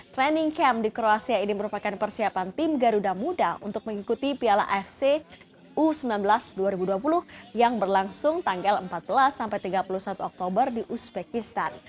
training camp di kroasia ini merupakan persiapan tim garuda muda untuk mengikuti piala fc u sembilan belas dua ribu dua puluh yang berlangsung tanggal empat belas sampai tiga puluh satu oktober di uzbekistan